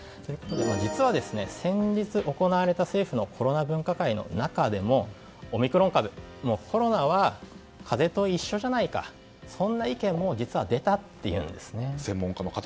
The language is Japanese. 実は先日行われた政府のコロナ分科会の中でもオミクロン株、コロナは風邪と一緒じゃないかそんな意見も実は出たというんです。